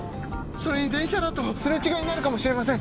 それに電車だとすれ違いになるかもしれません。